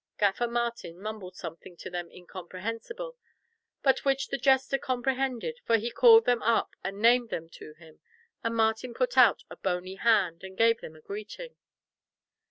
Gaffer Martin mumbled something to them incomprehensible, but which the jester comprehended, for he called them up and named them to him, and Martin put out a bony hand, and gave them a greeting.